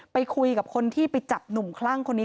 ไปคุยกับคนที่ไปจับหนุ่มคลั่งคนนี้